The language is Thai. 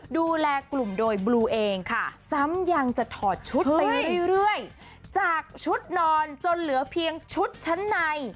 ดูแลกลุ่มโดยบลูเองซ้ำยังจะถอดชุดไปเรื่อยจากชุดนอนจนเหลือเพียงชุดชั้นใน